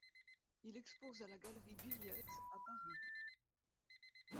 Il expose à la galerie Billiet à Paris.